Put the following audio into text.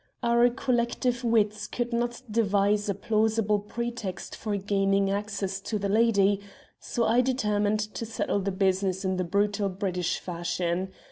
Our collective wits could not devise a plausible pretext for gaining access to the lady, so I determined to settle the business in the brutal British fashion.